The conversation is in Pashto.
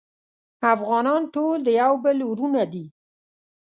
افغانان ټول د یو بل وروڼه دی